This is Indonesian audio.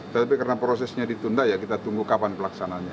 tapi karena prosesnya ditunda ya kita tunggu kapan pelaksananya